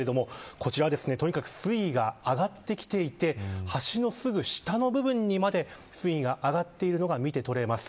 こちらは水位が上がってきていて橋のすぐ下の部分にまで水位が上がっているのが見て取れます。